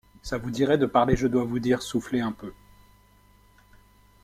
Ça vous dirait de parlerjedoisvousdire souffler un peu.